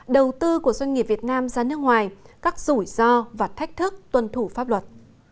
đầu tư của doanh nghiệp việt nam ra nước ngoài các rủi ro và thách thức tuân thủ pháp luật